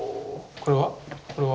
これは？